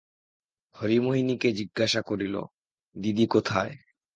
হরিমোহিনীকে জিজ্ঞাসা করিল, দিদি কোথায়?